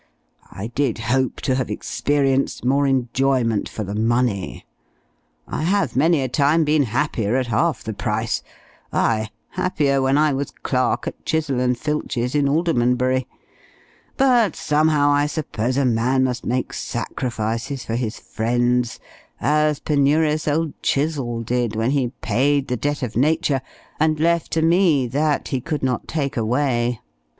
I did hope to have experienced more enjoyment for the money. I have many a time been happier at half the price; ay, happier when I was clerk at Chizzle and Filch's, in Aldermanbury; but, somehow, I suppose a man must make sacrifices for his friends, as penurious old Chizzle did, when he paid the debt of nature, and left to me that he could not take away!